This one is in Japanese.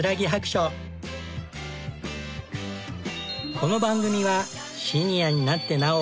この番組はシニアになってなお